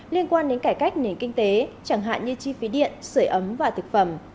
liên quan đến cải cách nền kinh tế chẳng hạn như chi phí điện sửa ấm và thực phẩm